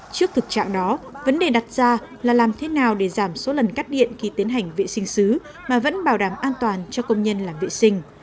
trước thực trạng đó vấn đề đặt ra là làm thế nào để giảm số lần cắt điện khi tiến hành vệ sinh xứ mà vẫn bảo đảm an toàn cho công nhân làm vệ sinh